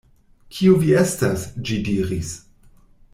"Kiu vi estas?" ĝi diris.